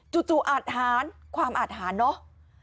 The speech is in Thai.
จู่อาทหารความอาทหารเนอะ